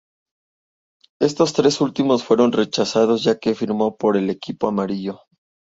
Éstos tres últimos fueron rechazados, ya que firmó por el equipo amarillo.